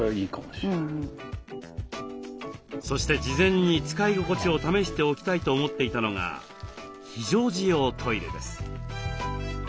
そして事前に使い心地を試しておきたいと思っていたのが非常時用トイレです。